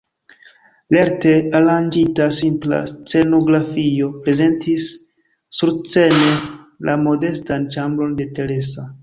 Lerte aranĝita simpla scenografio prezentis surscene la modestan ĉambron de Teresa.